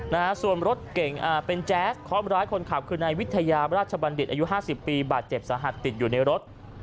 นะฮะส่วนรถเก่งอ่าเป็นแจ๊สเคาะร้ายคนขับคือนายวิทยาราชบัณฑิตอายุห้าสิบปีบาดเจ็บสาหัสติดอยู่ในรถ